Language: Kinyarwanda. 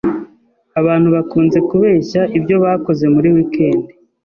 Abantu bakunze kubeshya ibyo bakoze muri wikendi.